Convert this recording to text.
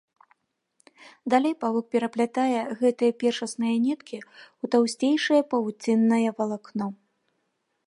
Далей павук пераплятае гэтыя першасныя ніткі ў таўсцейшае павуціннае валакно.